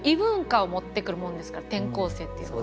転校生っていうのは。